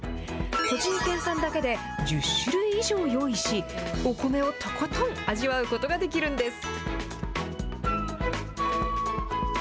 栃木県産だけで１０種類以上用意し、お米をとことん、味わうことができるんです。